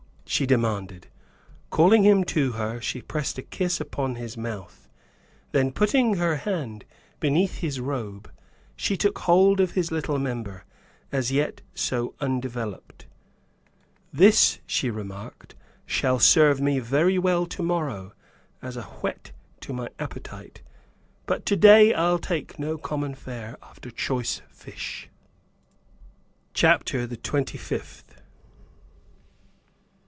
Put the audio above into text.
she demanded. Calling him to her, she pressed a kiss upon his mouth, then putting her hand beneath his robe, she took hold of his little member, as yet so undeveloped. "This," she remarked, "shall serve me very well tomorrow, as a whet to my appetite, but today I'll take no common fare after choice fish!" CHAPTER THE TWENTY FIFTH.